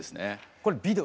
これビデオ。